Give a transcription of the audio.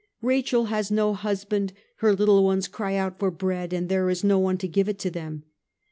Rachel has no husband ; her little ones cry out for bread and there is no one to give it them.